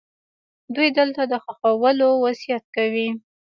دوی دلته د ښخولو وصیت کوي.